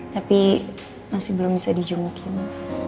tapi masih belum bisa dijunggu kini